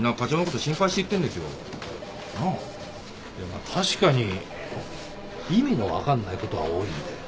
まあ確かに意味の分かんないことは多いんだよ。